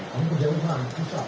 kamu kerja umum susah